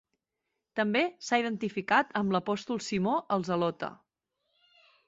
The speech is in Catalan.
També s'ha identificat amb l'apòstol Simó el Zelota.